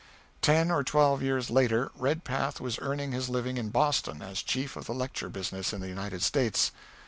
Ten or twelve years later, Redpath was earning his living in Boston as chief of the lecture business in the United States.